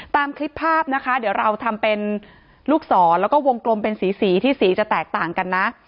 ตามคลิปภาพนะคะเดี๋ยวเราทำเป็นลูกศรแล้วก็วงกลมเป็นสีที่สีจะแตกต่างกันนะ